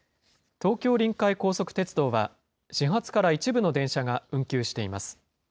東京臨海高速鉄道は、始発から一部の電車が運休しています。